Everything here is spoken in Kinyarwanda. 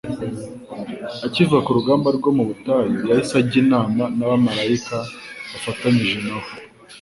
Akiva ku rugamba rwo mu butayu yahise ajya inama n’abamarayika bafatanyije na we